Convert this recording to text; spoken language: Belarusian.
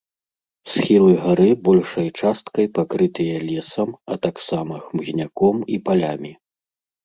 Схілы гары большай часткай пакрытыя лесам, а таксама хмызняком і палямі.